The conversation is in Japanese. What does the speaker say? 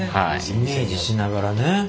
イメージしながらね。